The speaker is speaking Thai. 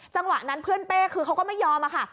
จังหวะนั้นเพื่อนเป้คือเขาก็ไม่ยอมอะค่ะ